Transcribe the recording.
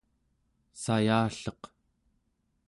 sayalleq